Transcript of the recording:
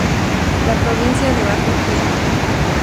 La provincia, debajo Gen.